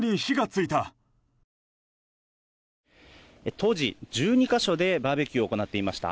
当時、１２か所でバーベキューを行っていました。